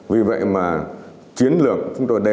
vì vậy mà chiến lược chúng tôi đề ra